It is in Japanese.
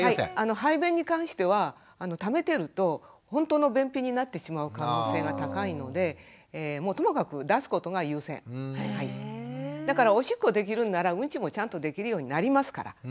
排便に関してはためてるとほんとの便秘になってしまう可能性が高いのでだからおしっこできるんならうんちもちゃんとできるようになりますから。